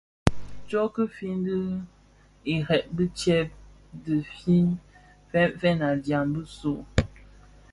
Tsok ki fin dhi ireb më tidhëk bidhi fènfèn a dyaň bisu u.